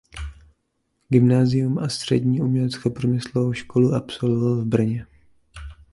Gymnázium a Střední uměleckoprůmyslovou školu absolvoval v Brně.